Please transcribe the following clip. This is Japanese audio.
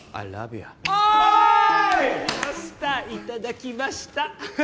いただきました！